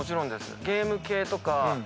ゲーム系とか。